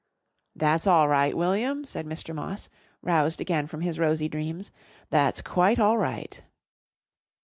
"That's all right, William," said Mr. Moss, roused again from his rosy dreams. "That's quite all right."